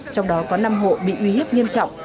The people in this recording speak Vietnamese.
trong đó có năm hộ bị uy hiếp nghiêm trọng